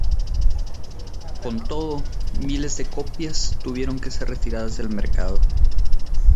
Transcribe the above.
Con todo, miles de copias tuvieron que ser retiradas del mercado.